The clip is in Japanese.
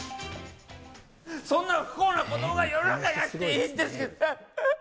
そんな不幸なことが世の中にあっていいんですか？